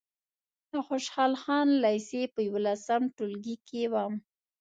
د خوشحال خان لېسې په یولسم ټولګي کې وم.